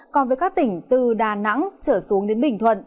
còn với các tỉnh từ đà nẵng trở xuống đến bình thuận